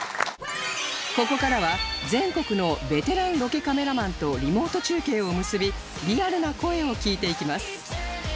ここからは全国のベテランロケカメラマンとリモート中継を結びリアルな声を聞いていきます